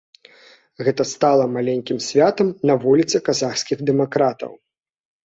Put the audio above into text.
Гэта стала маленькім святам на вуліцы казахскіх дэмакратаў.